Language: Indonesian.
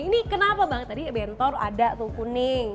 ini kenapa bang tadi bentor ada tuh kuning